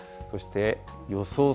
そして予想